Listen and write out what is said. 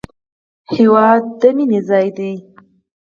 هېواد د مینې ځای دی